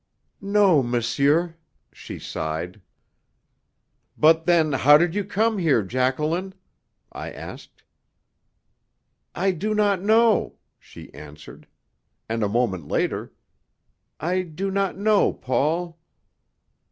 "No, monsieur," she sighed. "But, then, how did you come here, Jacqueline?" I asked. "I do not know," she answered. And, a moment later, "I do not know, Paul."